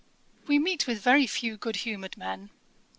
We meet with very few good humoured men.'